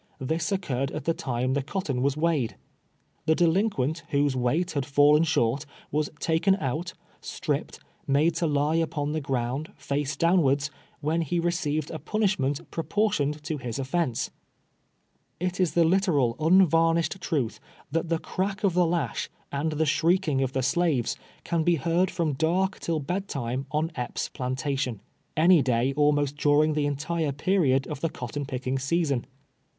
This occurred at the time the cot ton was weighed. The delinquent, whose weight liad fallen short, was taken out, stripped, made to lie upon the ground, face downwards, when he received a pun ishment proportioned to his oftence. It is the literal, unvarnished truth, that the crack of the lash, and the shrieking of the slaves, can be heard from dark till bed time, on Epps' jjlantatiou, any day almost during the entire period of the cotton picking season.